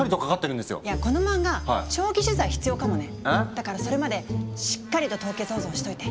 だからそれまでしっかりと凍結保存しといて！